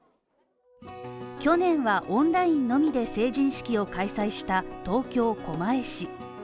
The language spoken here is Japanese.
去年はオンラインのみで成人式を開催した東京・狛江市。